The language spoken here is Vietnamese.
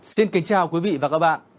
xin kính chào quý vị và các bạn